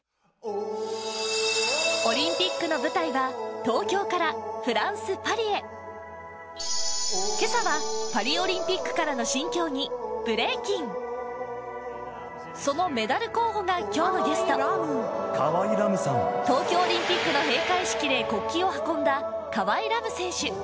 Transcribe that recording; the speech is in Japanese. オリンピックの舞台は東京からフランス・パリへ今朝はパリオリンピックからの新競技ブレイキンそのメダル候補が今日のゲスト東京オリンピックの閉会式で国旗を運んだ河合来夢選手